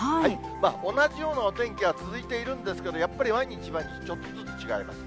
同じようなお天気は続いているんですけど、やっぱり、毎日毎日、ちょっとずつ違います。